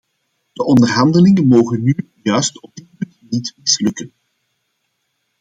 De onderhandelingen mogen nu juist op dit punt niet mislukken.